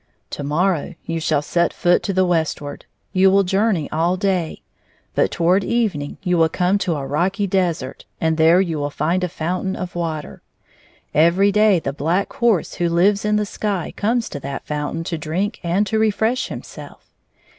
" To morrow you shall set foot to the westward. You will journey all day, hut toward evening you will come to a rocky desert, and there you will find a fountain of water. Every day the Black Horse who Uves in the sky comes to that fountain to drink and to refiresh himself.